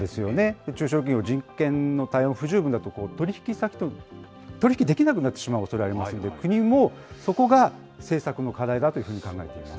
中小企業、人権の対応、不十分だと取り引き先と取り引きできなくなってしまうおそれがありますので、国もそこが政策の課題だというふうに考えています。